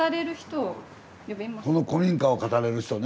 この古民家を語れる人ね。